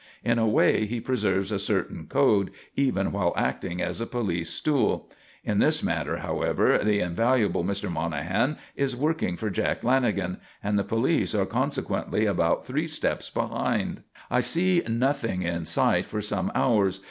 In a way he preserves a certain code even while acting as a police 'stool.' In this matter, however, the invaluable Mr. Monahan is working for Jack Lanagan; and the police are consequently about three laps behind. "I see nothing in sight for some hours.